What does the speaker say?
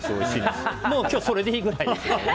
もう、今日それでいいくらい。